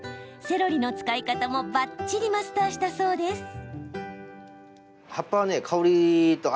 セロリの使い方もばっちりマスターしたそうです。